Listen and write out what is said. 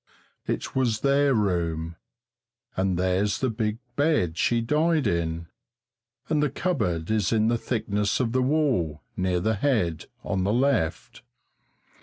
It was their room, and there's the big bed she died in, and the cupboard is in the thickness of the wall, near the head, on the left.